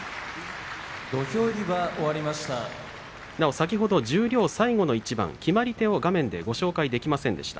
先ほど十両最後の一番決まり手を画面でご紹介できませんでした。